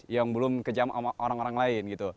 yang belum kejam sama orang orang lain gitu